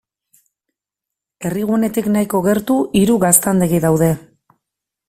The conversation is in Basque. Herrigunetik nahiko gertu, hiru gaztandegi daude.